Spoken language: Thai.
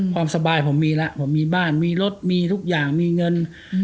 ความสบายผมมีแล้วผมมีบ้านมีรถมีทุกอย่างมีเงิน